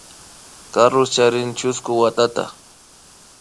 Carlos charin chusku watata